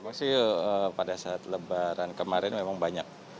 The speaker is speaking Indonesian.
masih pada saat lebaran kemarin memang banyak